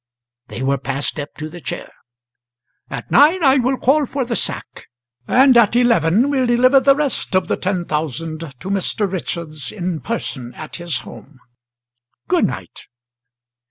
They were passed up to the Chair. "At nine I will call for the sack, and at eleven will deliver the rest of the ten thousand to Mr. Richards in person at his home. Good night."